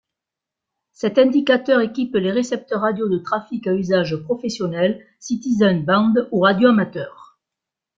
Cet indicateur équipe les récepteurs radio de trafic à usage professionnel, Citizen-band ou radioamateur.